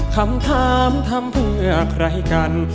คำถามทำเพื่อใครกัน